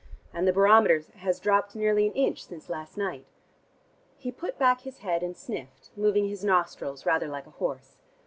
And the barometer has dropped nearly an inch since last night." He put back his head and sniffed, moving his nostrils rather like a horse.